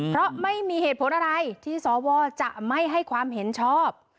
เพราะไม่มีเหตุผลอะไรที่สวจะไม่ให้ความเห็นชอบ